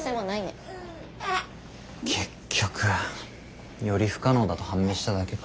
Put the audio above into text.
結局より不可能だと判明しただけか。